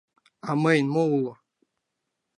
А мыйын мо уло?